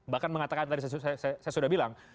bahkan mengatakan tadi saya sudah bilang